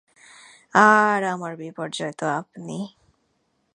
আর আমার বিপর্যয় তো আপনি।